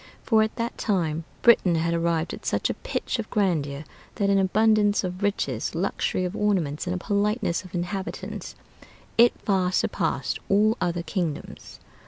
For at that time Britain had arrived at such a pitch of grandeur, that in abundance of riches, luxury of ornaments, and politeness of inhabitants, it far surpassed all other kingdoms.